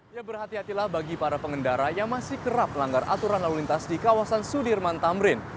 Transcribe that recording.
ya berhati hatilah bagi para pengendara yang masih kerap melanggar aturan lalu lintas di kawasan sudirman tamrin